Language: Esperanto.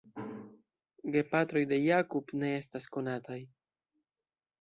Gepatroj de Jakub ne estas konataj.